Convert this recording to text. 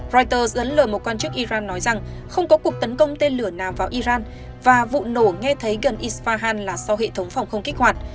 reuters dẫn lời một quan chức iran nói rằng không có cuộc tấn công tên lửa nào vào iran và vụ nổ nghe thấy gần isfahan là sau hệ thống phòng không kích hoạt